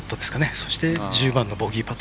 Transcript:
そして、１０番のボギーパット。